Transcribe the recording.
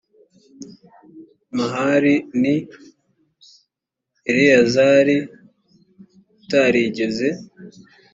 mahali ni eleyazari utarigeze